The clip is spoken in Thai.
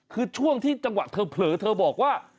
คือช่วงที่จังหวะเธอเผลอเธอบอกว่า